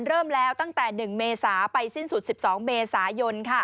เริ่มแล้วตั้งแต่๑เมษาไปสิ้นสุด๑๒เมษายน